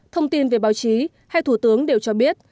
thông tin về báo chí hai thủ tướng đều cho biết